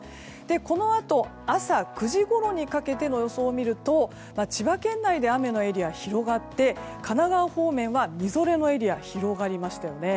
このあと朝９時ごろにかけての予想を見ると千葉県内で雨のエリアが広がって神奈川方面はみぞれのエリアが広がりましたよね。